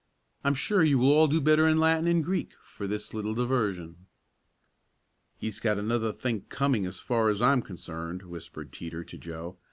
I'm sure you will all do better in Latin and Greek for this little diversion." "He's got another think coming as far as I'm concerned," whispered Teeter to Joe.